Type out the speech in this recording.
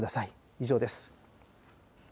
以上です。